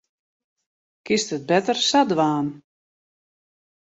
Kinst it better sa dwaan.